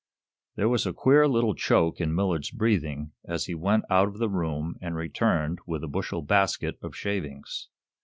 There was a queer little choke in Millard's breathing as he went out of the room and returned with a bushel basket of shavings.